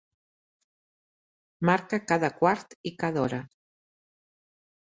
Marca cada quart i cada hora.